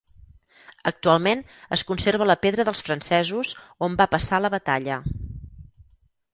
Actualment es conserva la pedra dels francesos on va passar la batalla.